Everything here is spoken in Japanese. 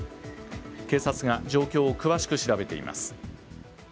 警察が状況を詳しく調べています。